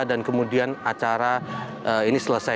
dan kemudian acara ini selesai